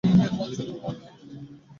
সকলেই পরিণামে পূর্ণতা লাভ করিবে।